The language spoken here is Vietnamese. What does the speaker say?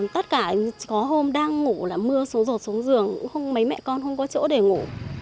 tất cả có hôm đang ngủ là mưa rột xuống giường mấy mẹ con không có chỗ để ngủ